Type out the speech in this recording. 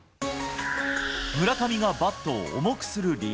村上がバットを重くする理由。